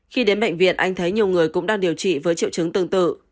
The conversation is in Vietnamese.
khi đến bệnh viện anh thấy nhiều người cũng đang điều trị với triệu chứng tương tự